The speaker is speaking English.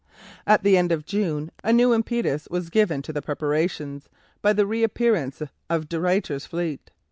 At the end of June a new impetus was given to the preparations by the reappearance of De Ruyter's fleet.